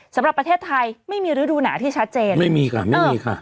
สำหรับประเทศไทยไม่มีฤดูหนาที่ชัดเจนไม่มีค่ะไม่มีค่ะ